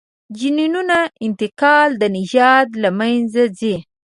جینونو انتقال د نژاد له منځه ځي.